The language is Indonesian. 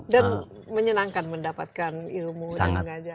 dan menyenangkan mendapatkan ilmu dan mengajar